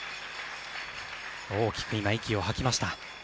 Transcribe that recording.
大きく息を吐きました。